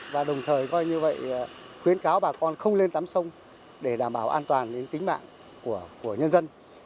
và đồng thời khuyến cáo bà con không lên tắm sông để đảm bảo an toàn tính mạng của nhân dân